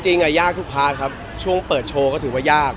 ยากทุกพาร์ทครับช่วงเปิดโชว์ก็ถือว่ายาก